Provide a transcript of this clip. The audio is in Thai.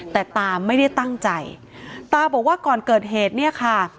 แต่ตาไม่ได้ตั้งใจตาบอกว่าก่อนเกิดเหตุเนี่ยค่ะ